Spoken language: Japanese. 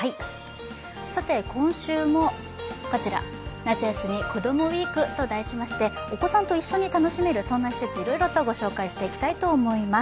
今週も「夏休み子どもＷＥＥＫ」と題しましてお子さんと一緒に楽しめる施設をいろいろご紹介していきたいと思います。